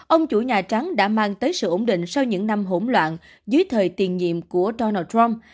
ông chủ nhà trắng đã mang tới sự ổn định sau những năm hỗn loạn dưới thời tiền nhiệm của donald trump